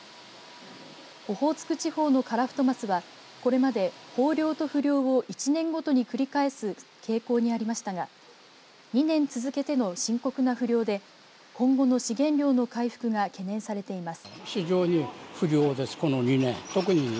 オホーツク地方のカラフトマスはこれまで豊漁と不漁を１年ごとに繰り返す傾向にありましたが２年続けての深刻な不漁で今後の資源量の回復が懸念されています。